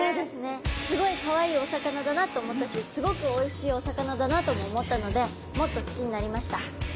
すごいかわいいお魚だなと思ったしすごくおいしいお魚だなとも思ったのでもっと好きになりました。